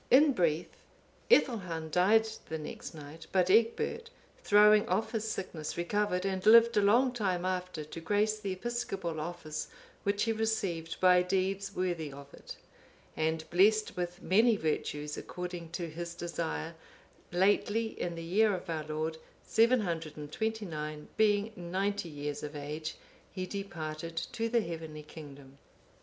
In brief, Ethelhun died the next night; but Egbert, throwing off his sickness, recovered and lived a long time after to grace the episcopal office, which he received, by deeds worthy of it;(491) and blessed with many virtues, according to his desire, lately, in the year of our Lord 729, being ninety years of age, he departed to the heavenly kingdom.